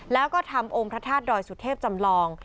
แล้วก็ทำองค์พระธาตุดอยสุเทพจำลอง